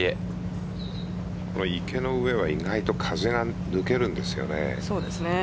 池の上は意外と風が抜けるんですよね。